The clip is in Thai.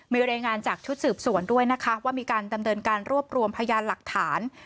มีรายงานจากชุดสืบสวนด้วยนะคะว่ามีการดำเนินการรวบรวมพยานหลักฐาน